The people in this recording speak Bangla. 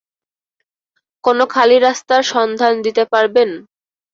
কোনও খালি রাস্তার সন্ধান দিতে পারবেন?